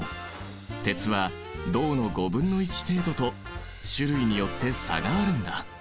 鉄は銅の５分の１程度と種類によって差があるんだ。